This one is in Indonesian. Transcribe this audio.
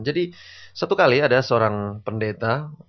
jadi satu kali ada seorang pendeta